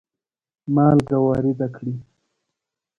مالګه وارده کړي.